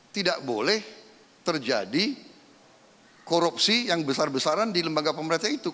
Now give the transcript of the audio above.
tidak boleh terjadi korupsi yang besar besaran di lembaga pemerintah itu